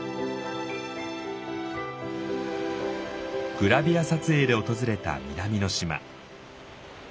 グラビア撮影で訪れた南の島。